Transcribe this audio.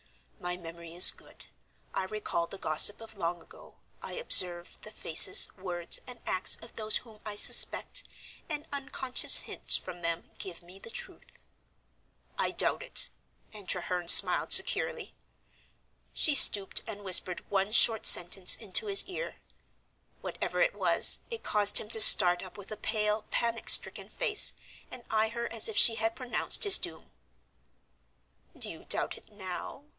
My memory is good, I recall the gossip of long ago, I observe the faces, words, and acts of those whom I suspect, and unconscious hints from them give me the truth." "I doubt it," and Treherne smiled securely. She stooped and whispered one short sentence into his ear. Whatever it was it caused him to start up with a pale, panic stricken face, and eye her as if she had pronounced his doom. "Do you doubt it now?"